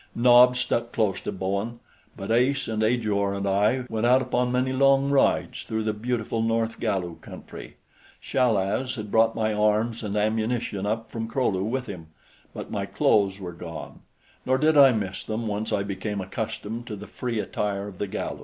Nobs stuck close to Bowen; but Ace and Ajor and I went out upon many long rides through the beautiful north Galu country. Chal az had brought my arms and ammunition up from Kro lu with him; but my clothes were gone; nor did I miss them once I became accustomed to the free attire of the Galu.